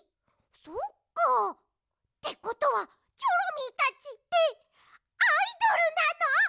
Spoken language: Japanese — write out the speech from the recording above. そっか。ってことはチョロミーたちってアイドルなの？